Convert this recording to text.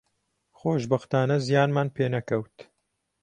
خۆشبەختانە زیانمان پێ نەکەوت